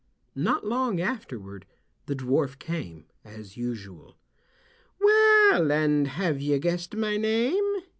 Not long afterward the dwarf came as usual. "Well, and have you guessed my name?"